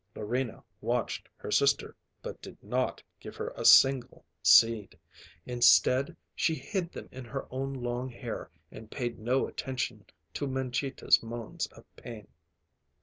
Larina watched her sister, but did not give her a single seed. Instead, she hid them in her own long hair and paid no attention to Mangita's moans of pain.